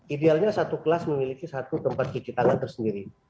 idealnya satu kelas memiliki satu tempat cuci tangan tersendiri